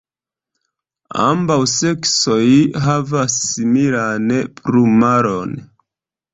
Ambaŭ seksoj havas similan plumaron.